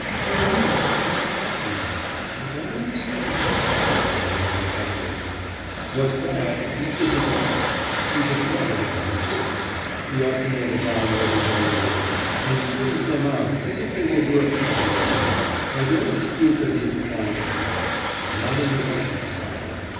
'Whom and what are you talking of? I don't understand you,' said Alexandra Pavlovna. 'What's bad, he isn't honest. He's a clever man, certainly; he ought to know the value of his own words, and he brings them out as if they were worth something to him. I don't dispute that he's a fine speaker, but not in the Russian style.